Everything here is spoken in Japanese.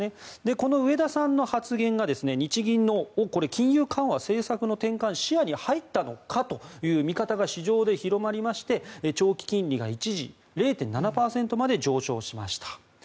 この植田さんの発言が日銀の金融緩和政策の転換が視野に入ったのかという見方が市場で広まりまして長期金利が一時０．７％まで上昇しました。